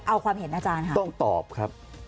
เอาความเห็นอาจารย์ค่ะต้องตอบครับ